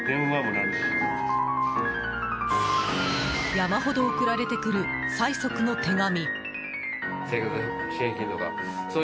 山ほど送られてくる催促の手紙。